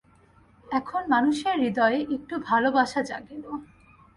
এখন মানুষের হৃদয়ে একটু ভালবাসা জাগিল।